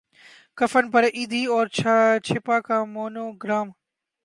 کفن پر ایدھی اور چھیپا کا مونو گرام